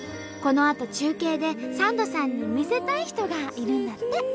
このあと中継でサンドさんに見せたい人がいるんだって。